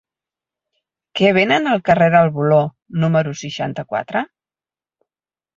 Què venen al carrer del Voló número seixanta-quatre?